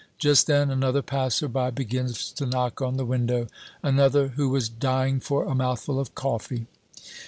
Just then another passer by begins to knock on the window another who was dying for a mouthful of coffee.